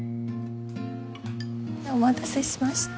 お待たせしました。